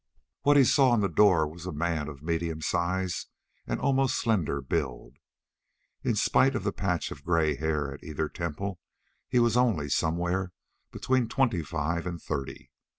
What he saw in the door was a man of medium size and almost slender build. In spite of the patch of gray hair at either temple he was only somewhere between twenty five and thirty.